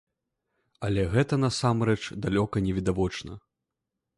Але гэта, насамрэч, далёка не відавочна.